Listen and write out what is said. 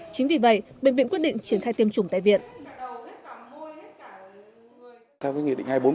chính vì vậy bệnh viện quyết định triển khai tiêm chủng tại viện